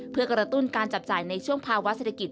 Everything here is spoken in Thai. เพื่อกระตุ้นการจับจ่ายในช่วงภาวะเศรษฐกิจ